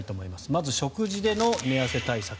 まず食事での寝汗対策。